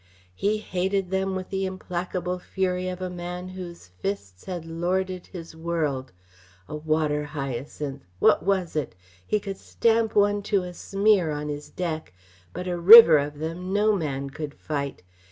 He hated them with the implacable fury of a man whose fists had lorded his world. A water hyacinth what was it? He could stamp one to a smear on his deck, but a river of them no man could fight.